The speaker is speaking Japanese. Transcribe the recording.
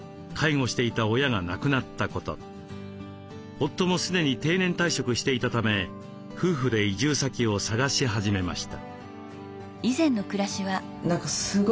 夫も既に定年退職していたため夫婦で移住先を探し始めました。